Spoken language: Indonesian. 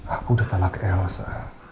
aku udah talak elsa